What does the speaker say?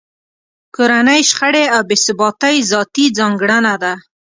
کورنۍ شخړې او بې ثباتۍ ذاتي ځانګړنه ده